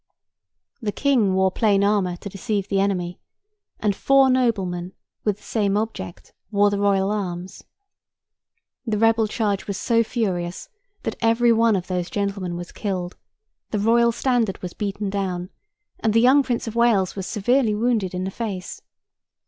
The King wore plain armour to deceive the enemy; and four noblemen, with the same object, wore the royal arms. The rebel charge was so furious, that every one of those gentlemen was killed, the royal standard was beaten down, and the young Prince of Wales was severely wounded in the face.